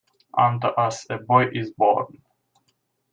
Unto us a boy is born.